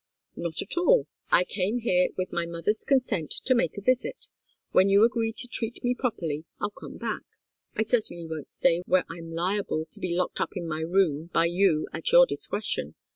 "Not at all. I came here, with my mother's consent, to make a visit. When you agree to treat me properly, I'll come back. I certainly won't stay where I'm liable to be locked up in my room by you at your discretion.